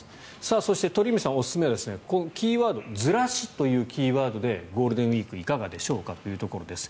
そして、鳥海さんおすすめはずらしというキーワードでゴールデンウィークいかがでしょうかというところです。